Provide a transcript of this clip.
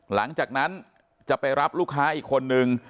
หลังจากนั้นจะไปรับลูกค้าอีกคนนึง